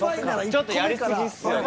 ちょっとやり過ぎっすよね。